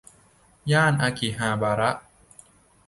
ย่านอากิฮาบาระ